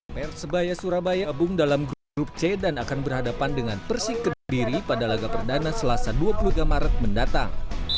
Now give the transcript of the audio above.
persebaya surabaya abung dalam grup c dan akan berhadapan dengan persik kediri pada laga perdana selasa dua puluh tiga maret mendatang